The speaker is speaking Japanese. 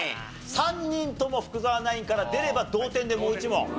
３人とも福澤ナインから出れば同点でもう１問。